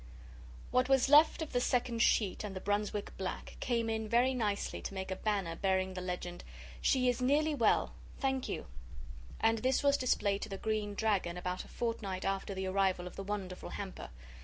What was left of the second sheet and the Brunswick black came in very nicely to make a banner bearing the legend SHE IS NEARLY WELL THANK YOU and this was displayed to the Green Dragon about a fortnight after the arrival of the wonderful hamper.